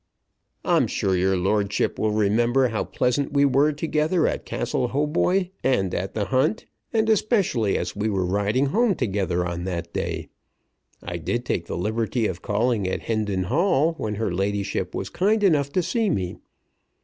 I'm sure your lordship will remember how pleasant we were together at Castle Hautboy, and at the hunt, and especially as we were riding home together on that day. I did take the liberty of calling at Hendon Hall, when her ladyship was kind enough to see me.